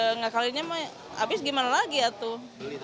ya nggak kalinya mah abis gimana lagi ya tuh